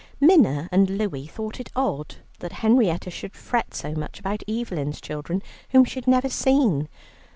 Minna and Louie thought it odd that Henrietta should "fret so much about Evelyn's children whom she had never seen.